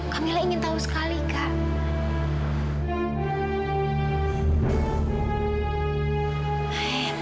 kamilah ingin tahu sekali kak